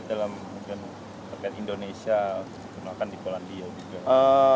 terkait dalam indonesia kenalkan di polandia juga